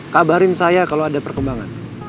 kabarin saya kalau ada perkembangan